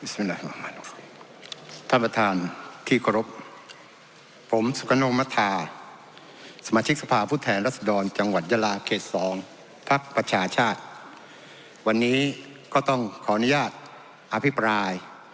ท่านประธานที่เคารพผมสุกโนมัธาสมาชิกสภาพผู้แทนรัศดรจังหวัดยาลาเขต๒พักประชาชาติวันนี้ก็ต้องขออนุญาตอภิปราย